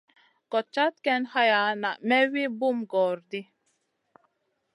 Gòd cad ken haya na may wi bum gòoro ɗi.